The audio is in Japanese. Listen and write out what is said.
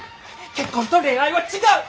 結婚と恋愛は違う！